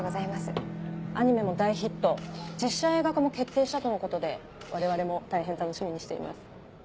アニメも大ヒット実写映画化も決定したとのことで我々も大変楽しみにしています。